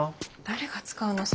誰が使うの？